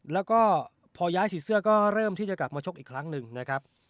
แล้วก็พอย้ายสีเสื้อก็เริ่มที่จะกลับมาชกอีกครั้งหนึ่งนะครับ